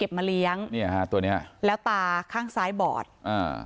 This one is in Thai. มาเลี้ยงเนี้ยฮะตัวเนี้ยแล้วตาข้างซ้ายบอดอ่า